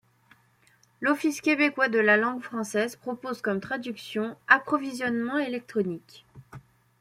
L'Office québécois de la langue française propose comme traduction approvisionnement électronique.